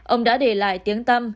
ông đã để lại tiếng tâm